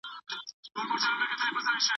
عمري ډاکو په کوم ناول کي و؟